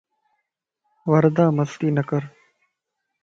وردا مستي نڪر